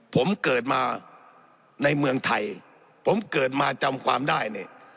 ผมเกิดมาในเมืองไทยผมเกิดมาจำความได้เนี่ย